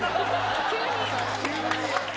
急に。